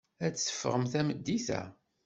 Ad teffɣem tameddit-a.